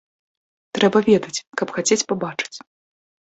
Трэба ведаць, каб хацець пабачыць.